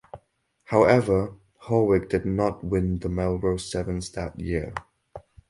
However Hawick did win the Melrose Sevens that year.